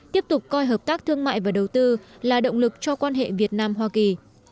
tiếp tục coi hợp tác thương mại và đầu tư là động lực cho quan hệ việt nam hoa kỳ